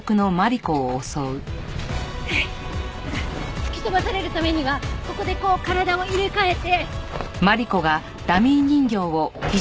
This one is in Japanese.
突き飛ばされるためにはここでこう体を入れ替えて。